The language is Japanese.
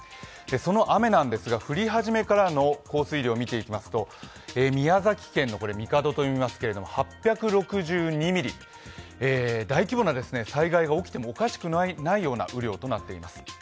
その雨なんですが、降り始めからの降水量を見ていきますと宮崎県の神門と読みますが８６２ミリ大規模な災害が起きてもおかしくないような雨量となっています。